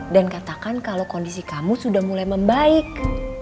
dan katakan kalo kondisi kamu sudah mulai membaik